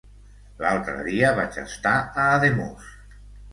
L'altre dia vaig estar a Ademús.